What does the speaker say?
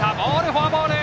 フォアボール。